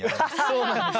そうなんです。